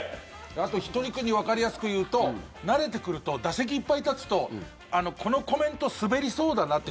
あと、ひとり君にわかりやすく言うと慣れてくると打席いっぱい立つとこのコメント滑りそうだなって